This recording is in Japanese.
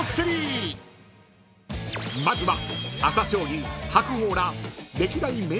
［まずは］